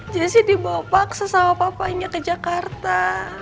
jessy dibawa paksa sama papanya ke jakarta